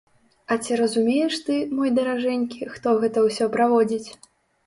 А ці разумееш ты, мой даражэнькі, хто гэта ўсё праводзіць?